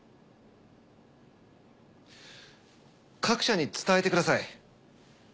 各社に伝えてください。